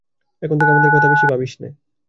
এখন থেকে আমাদের কথা বেশি ভাবিস নে।